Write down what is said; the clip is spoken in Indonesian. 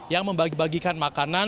yang membagikan makanan